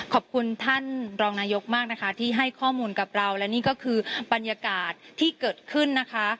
ขอบคุณท่านรองนายกมากนะคะที่ให้ข้อมูลกับเราและนี่ก็คือบรรยากาศที่เกิดขึ้นนะคะ